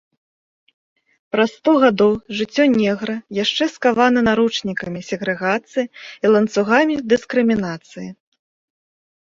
Праз сто гадоў жыццё негра яшчэ скавана наручнікамі сегрэгацыі і ланцугамі дыскрымінацыі.